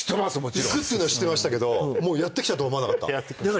行くっていうのは知ってましたけどもうやってきたとは思わなかったやってきました